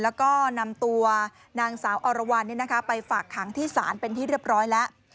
แล้วก็นำตัวนางสาวอรวรรณไปฝากขังที่ศาลเป็นที่เรียบร้อยแล้ว